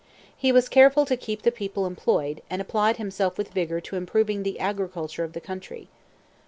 He was careful to keep the people employed, and applied himself with vigor to improving the agriculture of the country.